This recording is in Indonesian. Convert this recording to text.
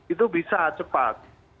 itu bisa cepat